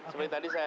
seperti tadi saya